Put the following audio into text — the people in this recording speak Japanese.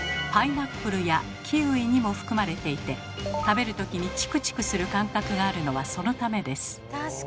パイナップルやキウイにも含まれていて食べる時にチクチクする感覚があるのはそのためです。